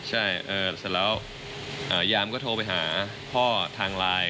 ใช่เสร็จแล้วยามก็โทรไปหาพ่อทางไลน์